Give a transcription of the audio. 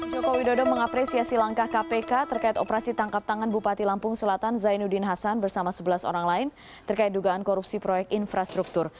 jokowi dodo mengapresiasi langkah kpk terkait operasi tangkap tangan bupati lampung selatan zainuddin hasan bersama sebelas orang lain terkait dugaan korupsi proyek infrastruktur